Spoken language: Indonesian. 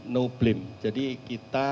no blame jadi kita